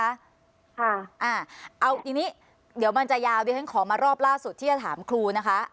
ค่ะอ่าเอาทีนี้เดี๋ยวมันจะยาวเดี๋ยวฉันขอมารอบล่าสุดที่จะถามครูนะคะ